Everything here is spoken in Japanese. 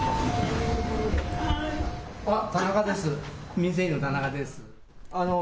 民生委員の田中です。